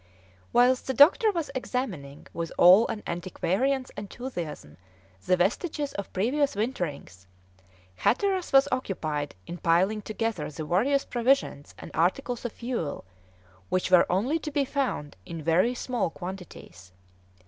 Whilst the doctor was examining with all an antiquarian's enthusiasm the vestiges of previous winterings, Hatteras was occupied in piling together the various provisions and articles of fuel, which were only to be found in very small quantities.